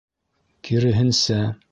Киреһенсә!